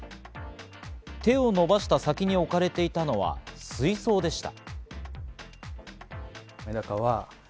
手をのばした先に置かれていたのは水槽でした。